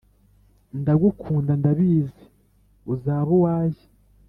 ndagukunda ndabizi uzabuwajye